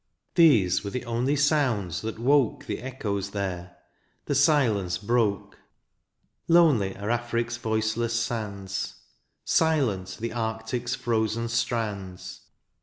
These were the only sounds that woke The echoes there, the silence broke. Lonely are Afric's voiceless sands. Silent the arctic's frozen strands.